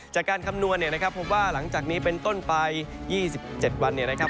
จากการคำนวณนะครับพบว่าหลังจากนี้เป็นต้นไป๒๗วันนะครับ